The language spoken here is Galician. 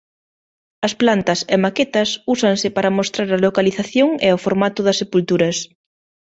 As plantas e maquetas úsanse para mostrar a localización e o formato das sepulturas.